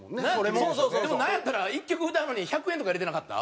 でもなんやったら１曲歌うのに１００円とか入れてなかった？